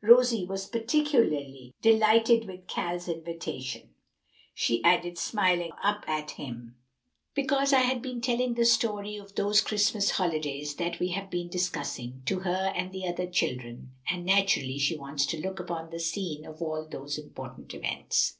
Rosie was particularly delighted with Cal's invitation," she added, smiling up at him, "because I had been telling the story of those Christmas holidays that we have been discussing, to her and the other children, and naturally she wants to look upon the scene of all those important events."